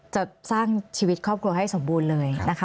จะสร้างชีวิตครอบครัวให้สมบูรณ์เลยนะคะ